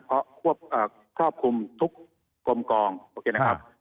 เพราะครอบคลุมทุกกลมกองโอเคนะครับ